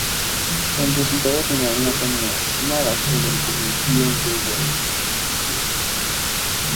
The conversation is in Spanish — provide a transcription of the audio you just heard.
El resultado final no tenía nada que ver con el guion que Welles escribió.